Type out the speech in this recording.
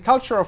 rất tự hào